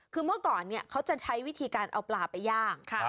คือเมื่อก่อนเขาจะใช้วิธีการเอาปลาไปย่าง